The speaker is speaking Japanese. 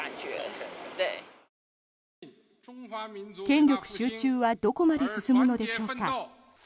権力集中はどこまで進むのでしょうか。